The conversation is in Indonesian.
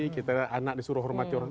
kita anak disuruh hormati orang